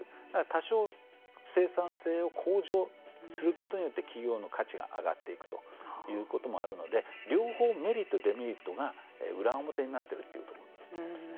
多少生産性を向上することによって企業の価値が上がっていくということもあるので両方、メリット、デメリットが裏、表になっているというところだと思いますね。